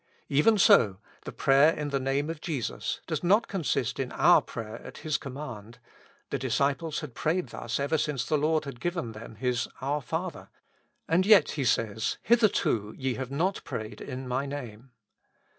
Even so the prayer in the Name of Jesus does not consist in our prayer at His command : the disciples had prayed thus ever since the Lord had given them His ' Our Father,' and yet He says, * Hitherto ye have not prayed in my Name.'